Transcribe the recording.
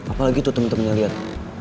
apalagi tuh temen temennya liat